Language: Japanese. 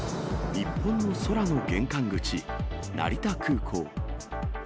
日本の空の玄関口、成田空港。